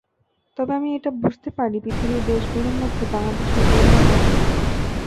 তবে আমি এটা বুঝতে পারি, পৃথিবীর দেশগুলোর মধ্যে বাংলাদেশ একটি দুর্ভাগা দেশ।